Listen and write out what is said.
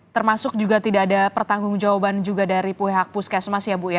termasuk juga tidak ada pertanggung jawaban juga dari pihak puskesmas ya bu ya